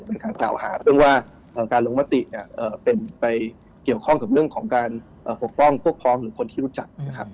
แต่มันการเจาะหาเรื่องว่าการลงมติเป็นไปเกี่ยวข้องกับเรื่องของการปกป้องพวกพร้อมหรือคนที่รู้จัก